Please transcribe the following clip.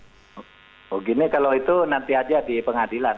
oh gini kalau itu nanti aja di pengadilan